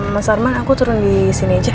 mas arman aku turun di sini aja